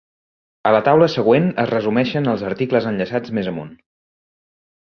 A la taula següent es resumeixen els articles enllaçats més amunt.